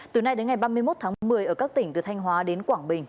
từ nay đến ngày ba mươi một tháng một mươi ở các tỉnh từ thanh hóa đến quảng bình